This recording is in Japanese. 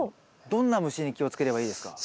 どんな虫に気をつければいいですか？